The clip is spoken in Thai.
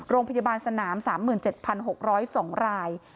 โรงพยาบาลสนาม๓๗๖๐๒ราย